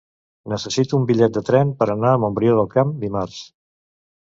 Necessito un bitllet de tren per anar a Montbrió del Camp dimarts.